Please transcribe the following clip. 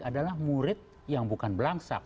adalah murid yang bukan belangsak